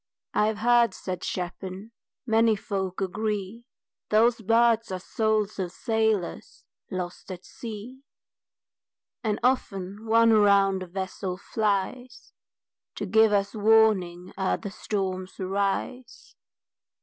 "I've heard," said Chapin, "many folk agree, Those birds are souls of sailors lost at sea, And often one around the vessel flies To give us warning ere the storms arise."